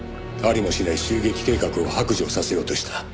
「ありもしない襲撃計画を白状させようとした」